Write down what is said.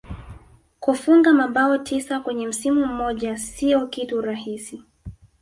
kufunga mabao tisa kwenye msimu mmoja sio kitu rahisi